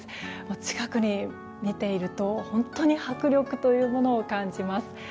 近くで見ていると本当に迫力というものを感じます。